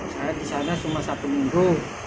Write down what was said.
saya di sana cuma satu minggu